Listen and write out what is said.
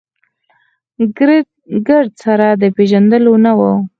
ګرد سره د پېژندلو نه و.